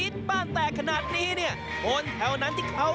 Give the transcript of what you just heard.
จนจะมาดีครับ